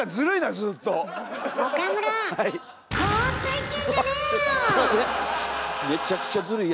すいません！